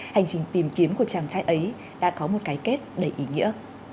hành trình tìm kiếm của chàng trai ấy đã có một cái kết đầy ý nghĩa